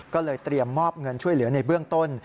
ก็เลยเตรียมมอบเงินช่วยเหลือในเบื้องต้น